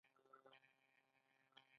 آیا دوی حسابونه نه چک کوي؟